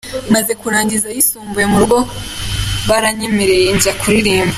Maze kurangiza ayisumbuye mu rugo baranyemereye njya kuririmba.